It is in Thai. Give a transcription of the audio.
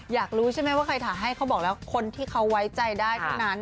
อยากรู้ใช่ไหมว่าใครถ่ายให้เขาบอกแล้วคนที่เขาไว้ใจได้เท่านั้น